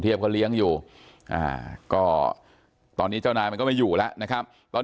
เขาเลี้ยงอยู่ก็ตอนนี้เจ้านายมันก็ไม่อยู่แล้วนะครับตอน